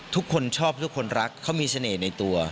ทุกคนชอบทุกคนรักเขามีเสน่ห์ในตัว